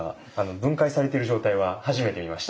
分解されている状態は初めて見ました。